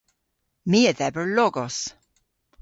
My a dheber logos.